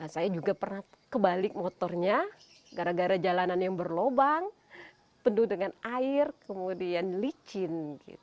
saya juga pernah kebalik motornya gara gara jalanan yang berlobang penuh dengan air kemudian licin